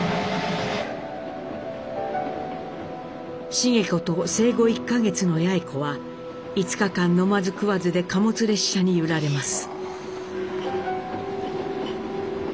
繁子と生後１か月の八詠子は５日間飲まず食わずで貨物列車に揺られます。